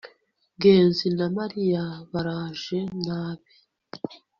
ngenzi na mariya baraje nabi